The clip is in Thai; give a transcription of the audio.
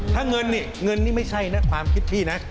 ถ้าเงินนี่เงินนี่ไม่ใช่นะความคิดพี่นะ